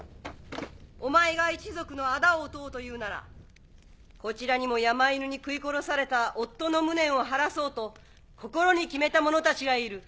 お前が一族の仇を討とうというならこちらにも山犬に食い殺された夫の無念を晴らそうと心に決めた者たちがいる。